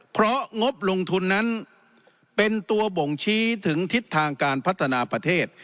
เพราะงบลงทุนนั้นเป็นตัวบ่งชี้ถึงทิศทางการพัฒนาประเทศ